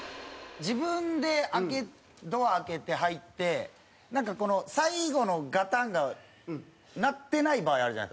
自分で開けドア開けて入ってなんかこの最後のガタンが鳴ってない場合あるじゃないですか。